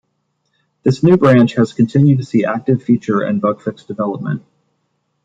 This new branch has continued to see active feature and bug fix development.